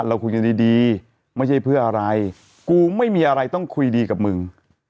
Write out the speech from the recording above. เราคุยกันดีไม่ใช่เพื่ออะไรกูไม่มีอะไรต้องคุยดีกับมึง